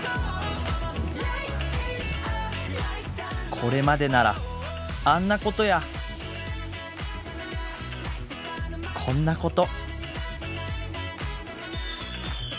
これまでならあんなことやこんなこと。